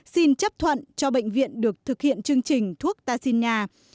xin chấp thuận cho bệnh viện được thực hiện chương trình thuốc tarsina